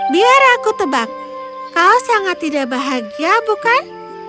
biar aku tebak kau sangat tidak bahagia bukan